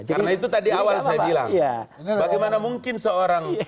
yang mana mungkin seorang